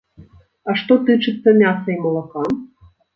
А што тычыцца мяса і малака?